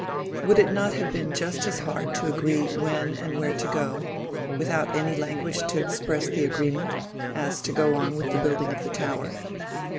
Would it not have been just as hard to agree when and where to go, without any language to express the agreement, as to go on with the building of the tower?